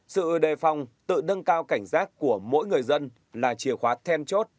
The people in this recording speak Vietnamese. sự đề phòng tự nâng cao cảnh giác của mỗi người dân là chìa khóa then chốt